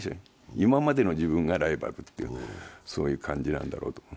今までの自分がライバルっていうそういう感じなんだろうと。